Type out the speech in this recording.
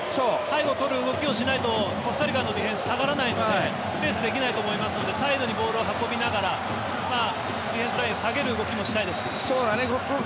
背後を取る動きをしないとコスタリカのディフェンス下がらないのでスペースができないと思うのでサイドにボールを運びながらディフェンスライン下げる動きもしたいです。